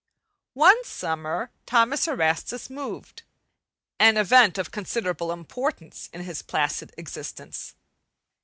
One summer Thomas Erastus moved an event of considerable importance in his placid existence.